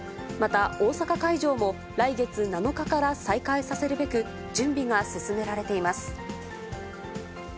また、大阪会場も来月７日から再開させるべく、準備が進められています。